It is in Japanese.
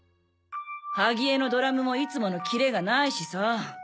萩江のドラムもいつものキレがないしさぁ。